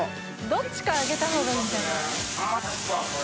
どっちか上げた方がいいんじゃない？